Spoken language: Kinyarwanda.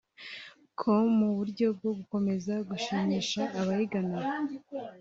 com mu buryo bwo gukomeza gushimisha abayigana